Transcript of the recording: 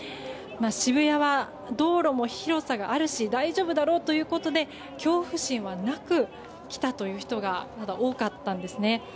渋谷は道路も広さがあるし大丈夫だろうということで恐怖心はなく来たという人が多かったんですね。